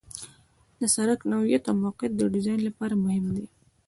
د سرک نوعیت او موقعیت د ډیزاین لپاره مهم دي